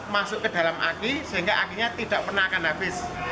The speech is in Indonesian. masuk ke dalam aki sehingga akinya tidak pernah akan habis